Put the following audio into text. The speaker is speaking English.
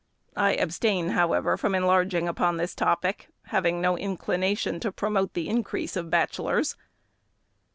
I abstain, however, from enlarging upon this topic, having no inclination to promote the increase of bachelors.